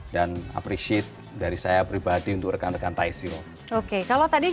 dan appreciate dari saya pribadi untuk rekan rekan thai seals